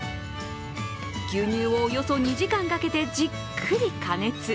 牛乳をおよそ２時間かけてじっくり加熱。